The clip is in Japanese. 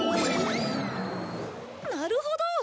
なるほど！